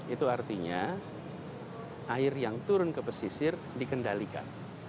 itu artinya air yang turun ke pesisir dikendalikan